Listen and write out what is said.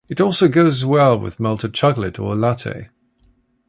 It also goes well with melted chocolate or a latte.